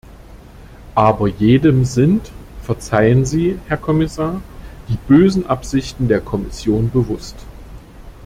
Aber jedem sind, verzeihen Sie, Herr Kommissar, die bösen Absichten der Kommission bewusst.